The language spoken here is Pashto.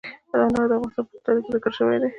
انار د افغانستان په اوږده تاریخ کې ذکر شوی دی.